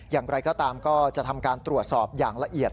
อย่างไรก็ตามก็จะทำการตรวจสอบอย่างละเอียด